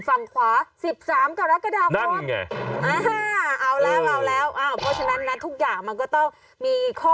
ฝั่งขวา๑๓กรกฎาคม